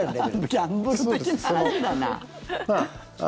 ギャンブル的な話だな。